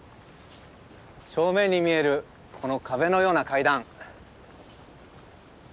正面に見えるこの壁のような階段。